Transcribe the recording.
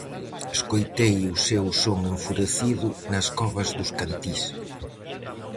Escoitei o seu son enfurecido nas covas dos cantís.